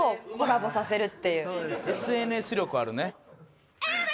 ＳＮＳ力あるね。